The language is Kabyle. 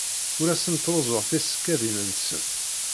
Ur asen-ttruẓuɣ tisekkadin-nsen.